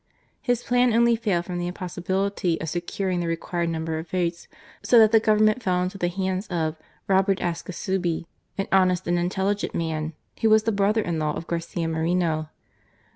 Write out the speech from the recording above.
His plan only failed from the im possibility of securing the required number of votes, so that the Government fell into the hands of Robert Ascasubi, an honest and intelligent man, who was the brother in law of Garcia Moreno.